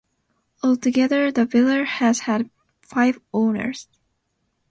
Altogether the villa has had five owners.